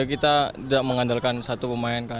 kita tidak mengandalkan satu pemain